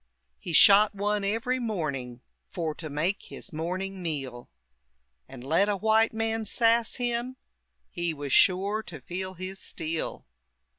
He shot one every morning, For to make his morning meal. And let a white man sass him, He was shore to feel his steel.